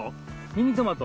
ミニトマト？